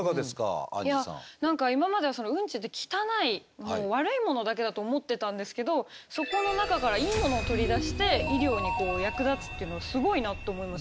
何か今まではウンチって汚いもう悪いものだけだと思ってたんですけどそこの中からいいものを取り出して医療に役立つっていうのはすごいなと思います。